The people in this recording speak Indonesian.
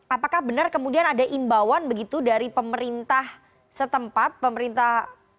apakah benar kemudian ada imbauan begitu dari pemerintah setempat pemerintah